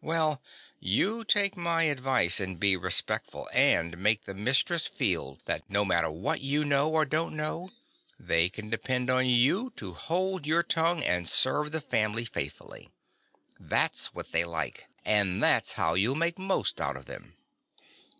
Well, you take my advice, and be respectful; and make the mistress feel that no matter what you know or don't know, they can depend on you to hold your tongue and serve the family faithfully. That's what they like; and that's how you'll make most out of them.